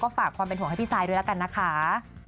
ฝากความเป็นห่วงให้พี่ซายด้วยแล้วกันนะคะ